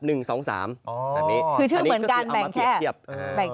คือชื่อเหมือนกันแบ่งแค่ระดับตัวเลข